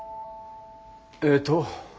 えっと。